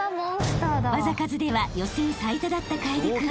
［技数では予選最多だった楓君］